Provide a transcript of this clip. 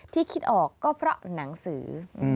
คิดออกก็เพราะหนังสือ